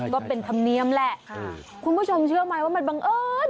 ก็เป็นธรรมเนียมแหละค่ะคุณผู้ชมเชื่อไหมว่ามันบังเอิญ